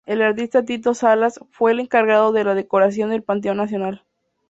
El artista Tito Salas fue el encargado de la decoración de Panteón Nacional.